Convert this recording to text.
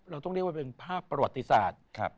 เราต้องเรียกว่าเป็นภาพประวัติศาสตร์